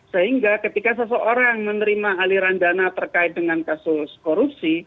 sehingga ketika seseorang menerima aliran dana terkait dengan kasus korupsi